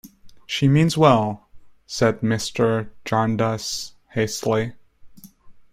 "She means well," said Mr. Jarndyce hastily.